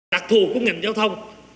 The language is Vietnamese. đặc thù của ngành giao thông